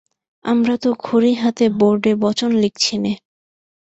আমরা তো খড়ি হাতে বোর্ডে বচন লিখছি নে।